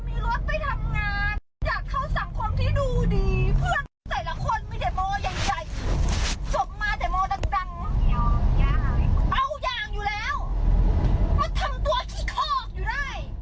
มาทำตัวขี้คอกอยู่ได้